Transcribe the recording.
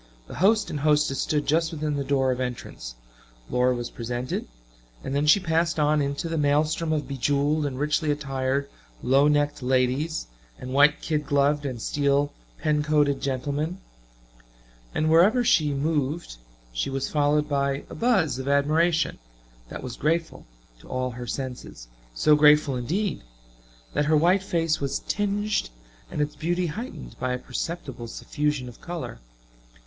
The host and hostess stood just within the door of entrance; Laura was presented, and then she passed on into the maelstrom of be jeweled and richly attired low necked ladies and white kid gloved and steel pen coated gentlemen and wherever she moved she was followed by a buzz of admiration that was grateful to all her senses so grateful, indeed, that her white face was tinged and its beauty heightened by a perceptible suffusion of color.